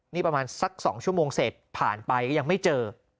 นี่ประมาณสัก๒ชั่วโมงเสร็จผ่านไปก็ยังไม่เจอ